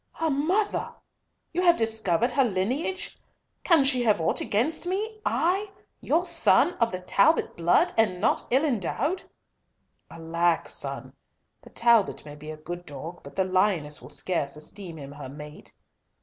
"Her mother! You have discovered her lineage! Can she have ought against me?—I, your son, sir, of the Talbot blood, and not ill endowed?" "Alack, son, the Talbot may be a good dog but the lioness will scarce esteem him her mate.